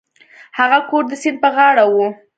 هغه کور د سیند په غاړه و.